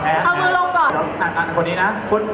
อันนี้นะ